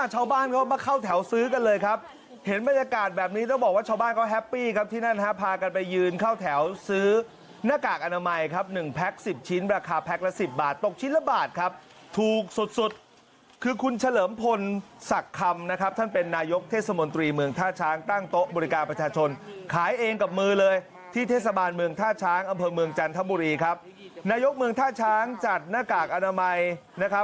หน้ากากอนามัยนี้กลายเป็นของที่หายากหายดี